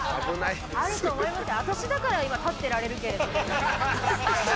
あると思いますよ。